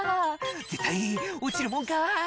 「絶対落ちるもんか」